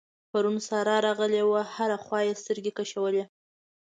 پرون سارا راغلې وه؛ هره خوا يې سترګې کشولې.